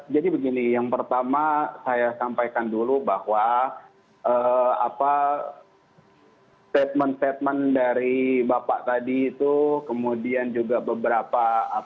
jadi begini yang pertama saya sampaikan dulu bahwa statement statement dari bapak tadi itu kemudian juga beberapa